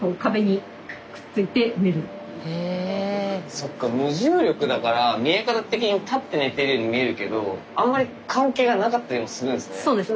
そっか無重力だから見え方的に立って寝てるように見えるけどあんまり関係がなかったりもするんすね。